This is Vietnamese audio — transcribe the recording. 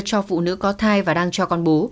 cho phụ nữ có thai và đang cho con bố